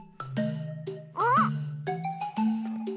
あっ！